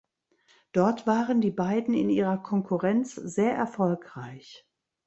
Dort waren die beiden in ihrer Konkurrenz sehr erfolgreich.